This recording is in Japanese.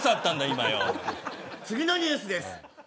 次のニュースです。